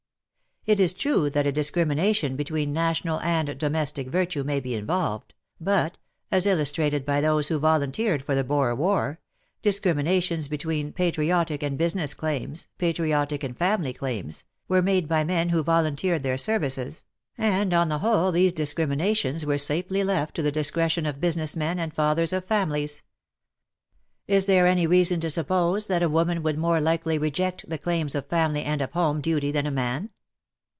It is true that a discrimination between national and domestic virtue may be involved, but, as illus trated by those who volunteered for the Boer War, discriminations between patriotic and business claims, patriotic and family claims, were made by men who volunteered their services, and on the whole these discriminations 228 WAR AND WOMEN were safely left to the discretion of business men and fathers of families. Is there any reason to suppose that a woman would more likely reject the claims of family and of home duty than a man